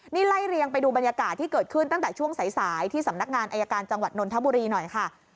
นี่ไล่เรียงไปดูบรรยากาศที่เกิดขึ้นตั้งแต่ช่วงสายที่สำนักงานอายการจังหวัดนนทบุรีหน่อยค่ะ